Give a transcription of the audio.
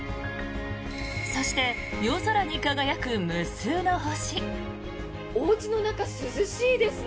そして、夜空に輝く無数の星。